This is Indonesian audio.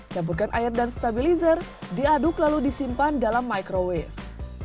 campurkan air dan stabilizer diaduk lalu disimpan dalam microwave